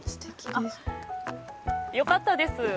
あっよかったです。